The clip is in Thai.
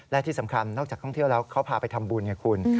และที่สำคัญนอกจากท่องเที่ยวแล้วเขาพาไปทำบุญไงคุณ